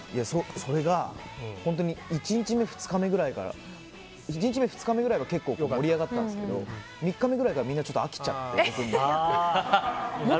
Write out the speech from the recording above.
それが、本当に１日目、２日目ぐらいは結構盛り上がったんですけど３日目ぐらいからみんなちょっと飽きちゃって。